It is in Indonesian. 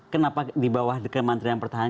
kenapa di bawah kementerian pertahanan